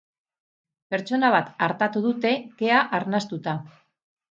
Pertsona bat artatu dute, kea arnastuta.